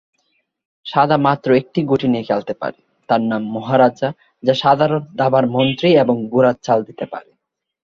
সাদা মাত্র একটি গুটি নিয়ে খেলতে পারে, তার নাম "মহারাজা" যা সাধারণ দাবার মন্ত্রী এবং ঘোড়ার চাল দিতে পারে।